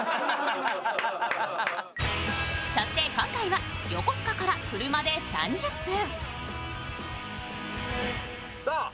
そして今回は、横須賀から車で３０分。